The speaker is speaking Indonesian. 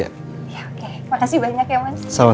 oke makasih banyak ya mas